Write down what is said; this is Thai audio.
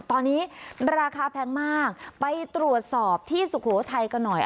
ตอนนี้ราคาแพงมากไปตรวจสอบที่สุโขทัยกันหน่อย